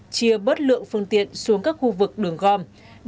chia bớt lượng phương tiện xuống các khu vực đường gom